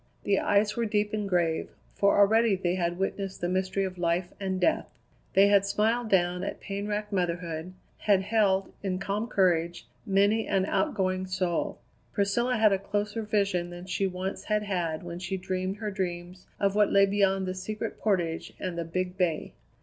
The eyes were deep and grave, for already they had witnessed the mystery of life and death. They had smiled down at pain racked motherhood; had held, in calm courage, many an outgoing soul. Priscilla had a closer vision than she once had had when she dreamed her dreams of what lay beyond the Secret Portage and the Big Bay.